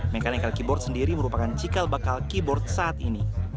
mechanical keyboard sendiri merupakan cikal bakal keyboard saat ini